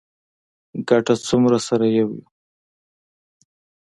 ګڼه څومره سره یو یو.